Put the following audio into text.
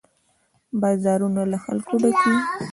بازارونه له خلکو ډک وي.